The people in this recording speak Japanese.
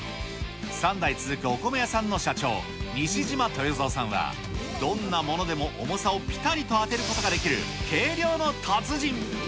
３代続くお米屋さんの社長、西島豊造さんは、どんなものでも重さをぴたりと当てることができる計量の達人。